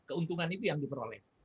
keuntungan itu yang diperoleh